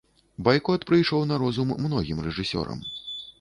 Байкот прыйшоў на розум многім рэжысёрам.